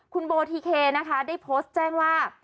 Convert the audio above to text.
คุณโบทิเคได้โพสต์แจ้งว่า